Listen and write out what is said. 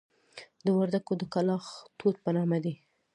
د وردکو د کلاخ توت په نامه دي.